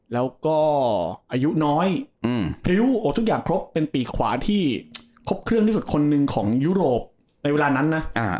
แล้วก็อายุน้อยพริ้วทุกอย่างครบเป็นปีกขวาที่ครบเครื่องที่สุดคนหนึ่งของยุโรปในเวลานั้นนะ